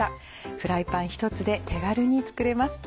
フライパン一つで手軽に作れます。